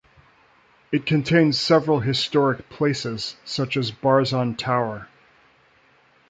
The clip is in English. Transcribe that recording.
It contains several historic places, such as Barzan Tower.